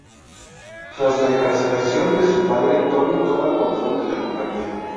Tras la encarcelación de su padre, Tony toma el control de la compañía.